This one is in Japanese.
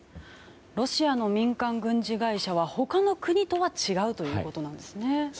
ロシアの民間軍事会社は他の国とは違うということなんですね。